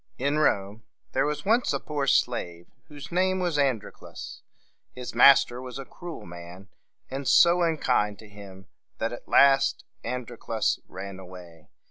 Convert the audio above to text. In Rome there was once a poor slave whose name was An´dro clus. His master was a cruel man, and so unkind to him that at last An dro clus ran away.